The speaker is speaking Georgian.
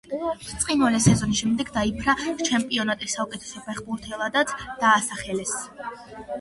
ბრწყინვალე სეზონის შემდეგ დიაფრა ჩემპიონატის საუკეთესო ფეხბურთელადაც დაასახელეს.